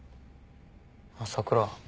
朝倉。